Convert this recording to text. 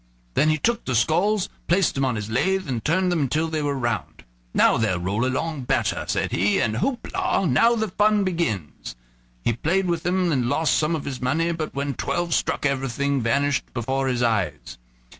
Then he took the skulls, placed them on his lathe, and turned them till they were round. "Now they'll roll along better," said he, "and houp la! now the fun begins." He played with them and lost some of his money, but when twelve struck everything vanished before his eyes.